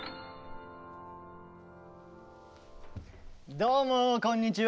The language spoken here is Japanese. どうもこんにちは。